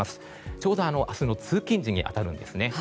ちょうど明日の通勤時に当たるんですね。